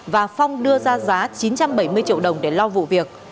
và phong đưa ra giá chín trăm bảy mươi triệu đồng để lo vụ việc